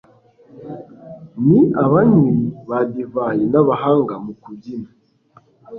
Ni abanywi ba divayi nabahanga mu kubyina